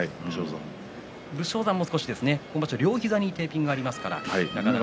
武将山も両膝にテーピングがありますから、なかなか。